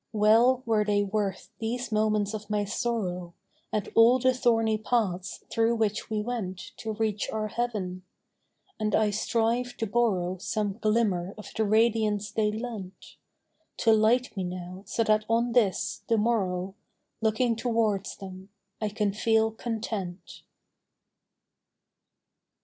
Well were they worth these moments of my sorrow, And all the thorny paths through which we went To reach our Heaven ; and I strive to borrow Some glimmer of the radiance they lent, To light me now, so that on this, the morrow, Looking towards them, I can feel content